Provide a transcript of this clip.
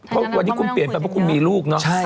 เพราะวันนี้คุณเปลี่ยนไปเพราะคุณมีลูกเนาะ